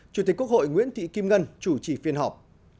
chủ tịch quốc hội nguyễn thị kim ngân chủ trì phiên họp